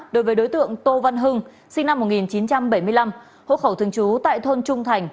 đối với đối tượng tô văn hưng sinh năm một nghìn chín trăm bảy mươi năm hộ khẩu thường trú tại thôn trung thành